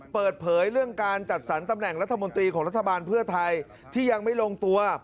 เปิดเผยเรื่องการจัดสรรตำแหน่งรัฐมนตรีของรัฐบาลเพื่อไทยที่ยังไม่ลงตัว